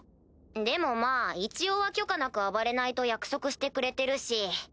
でもまぁ一応は許可なく暴れないと約束してくれてるし。